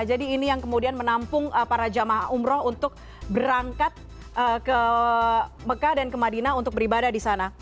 jadi ini yang kemudian menampung para jemaah umroh untuk berangkat ke mekah dan ke madinah untuk beribadah di sana